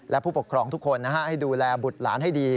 และผู้ปกครองทุกคนให้ดูแลบุตรหลานให้ดี